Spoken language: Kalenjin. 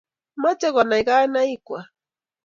machei konai kinekiiyaak